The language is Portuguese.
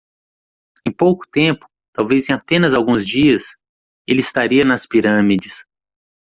Em pouco tempo? talvez em apenas alguns dias? ele estaria nas pirâmides.